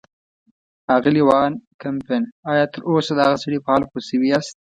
اغلې وان کمپن، ایا تراوسه د هغه سړي په حال پوه شوي یاست.